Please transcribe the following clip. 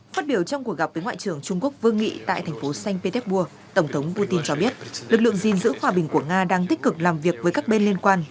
phát biểu trong cuộc gặp với ngoại trưởng trung quốc vương nghị tại thành phố xanh petersburg tổng thống putin cho biết lực lượng gìn giữ hòa bình của nga đang tích cực làm việc với các bên liên quan